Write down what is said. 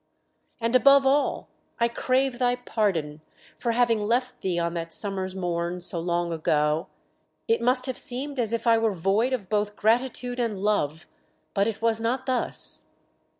"And above all, I crave thy pardon for having left thee on that summer's morn so long ago. It must have seemed as if I were void of both gratitude and love, but it was not thus.